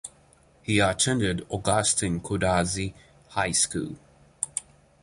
He attended Agustin Codazzi High School.